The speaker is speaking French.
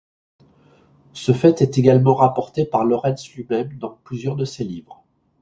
Ce fait est également rapporté par Lorenz lui-même dans plusieurs de ses livres.